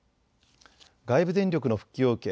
外部電力の復旧を受け